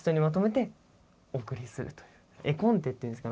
絵コンテって言うんですか？